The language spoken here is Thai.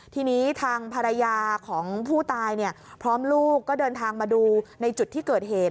ทีนี้ทางภรรยาของผู้ตายพร้อมลูกก็เดินทางมาดูในจุดที่เกิดเหตุ